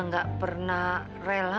gak pernah rela